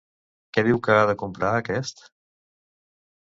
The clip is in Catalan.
Què diu que ha de comprar aquest?